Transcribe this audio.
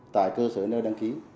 tại cơ sở nơi đăng ký